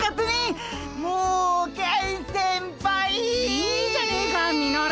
いいじゃねえかミノル。